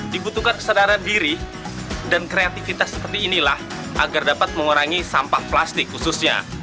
dibutuhkan kesadaran diri dan kreativitas seperti inilah agar dapat mengurangi sampah plastik khususnya